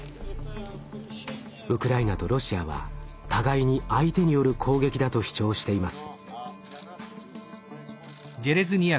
ウクライナとロシアは互いに相手による攻撃だと主張しています。